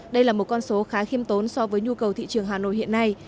đây là một con số khá khiêm tốn so với nhu cầu thị trường hà nội hiện nay